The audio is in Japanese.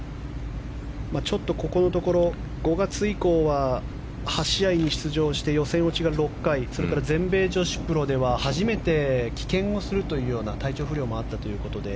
ちょっとここのところ５月以降は、８試合に出場して予選落ちが６回全米女子プロでは初めて棄権をするというような体調不良もあったということで。